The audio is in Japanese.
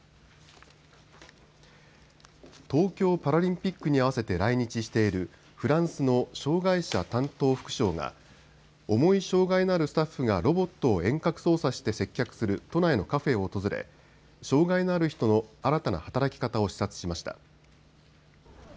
東京パラリンピックに合わせて来日しているフランスの障害者担当副相が重い障害のあるスタッフがロボットを遠隔操作して接客する都内のカフェを訪れ障害のある人の新たな働き方を視察しました。